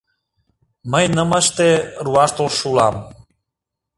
Мый нымыште руаш толшо улам.